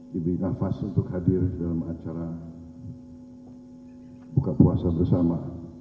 jadi nafas untuk hadir dalam acara buka puasa bersama